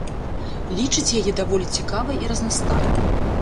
Лічыць яе даволі цікавай і разнастайнай.